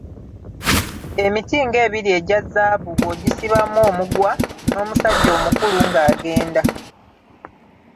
Emiti ng'ebiri egya zaabu bw'ogisibamu omugwa n'omusajja omukulu ng'agenda.